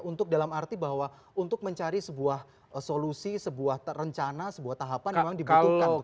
untuk dalam arti bahwa untuk mencari sebuah solusi sebuah rencana sebuah tahapan memang dibutuhkan